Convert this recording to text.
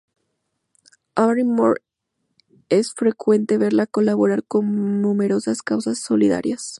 A Barrymore es frecuente verla colaborar con numerosas causas solidarias.